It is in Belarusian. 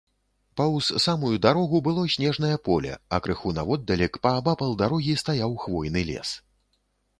Паўз самую дарогу было снежнае поле, а крыху наводдалек, паабапал дарогі, стаяў хвойны лес.